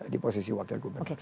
di posisi wakil gubernur